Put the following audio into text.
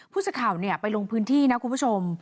ผู้สื่อข่าวไปลงพื้นที่นะคุณผู้ชม